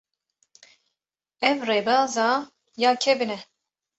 Ev rêbeza ya kevin e.